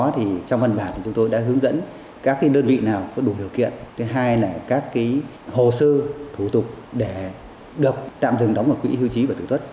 trong văn bản thì chúng tôi đã hướng dẫn các đơn vị nào có đủ điều kiện thứ hai là các hồ sơ thủ tục để được tạm dừng đóng vào quỹ hưu trí và tử tuất